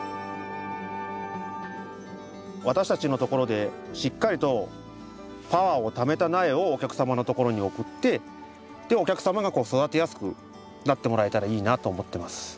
私たちのところでしっかりとパワーをためた苗をお客様のところに送ってお客様が育てやすくなってもらえたらいいなと思ってます。